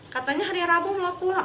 katanya hari rabu nggak pulang